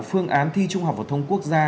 phương án thi trung học vật thông quốc gia